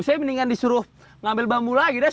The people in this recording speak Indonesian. sebenarnya mendingan disuruh ngambil bambu lagi dah